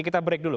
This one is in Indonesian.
kita break dulu